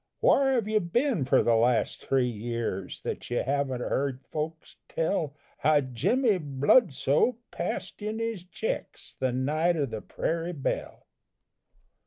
Whar have you been for the last three years, That you haven't heard folks tell How Jimmy Bludso passed in his checks, The night of the "Prairie Belle"?